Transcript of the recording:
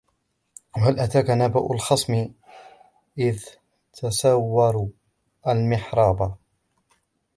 وَهَلْ أَتَاكَ نَبَأُ الْخَصْمِ إِذْ تَسَوَّرُوا الْمِحْرَابَ